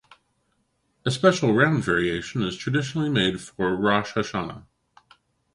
A special round variation is traditionally made for Rosh Hashanah.